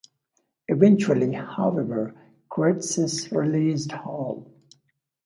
Eventually, however, Kiritsis released Hall.